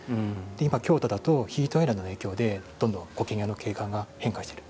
今、京都だとヒートアイランドの影響でどんどん苔庭の景観が変化している。